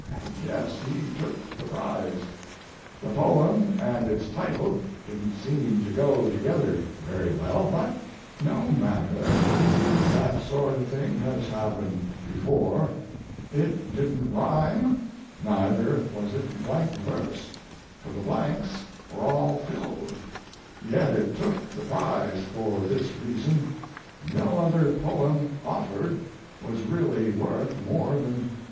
Yes, he took the prize. The poem and its title didn t seem to go together very well; but, no matter, that sort of thing has happened before; it didn t rhyme, neither was it blank verse, for the blanks were all filled, yet it took the prize for this reason, no other poem offered was really worth more than $4.